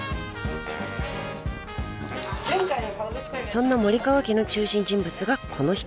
［そんな森川家の中心人物がこの人。